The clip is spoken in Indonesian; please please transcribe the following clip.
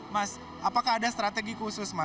mas apakah ada strategi khusus mas